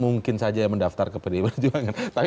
mungkin pak ahok mungkin saja mendaftar ke periwet perjuangan